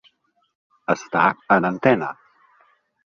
Estar en antena.